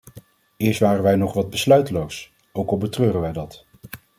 Eerst waren wij nog wat besluiteloos, ook al betreuren wij dat.